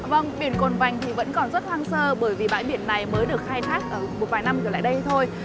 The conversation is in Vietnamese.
vâng biển cồn vành thì vẫn còn rất hoang sơ bởi vì bãi biển này mới được khai thác một vài năm trở lại đây thôi